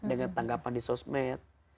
dengan tanggapan di sosmed